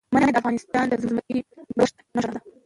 منی د افغانستان د ځمکې د جوړښت نښه ده.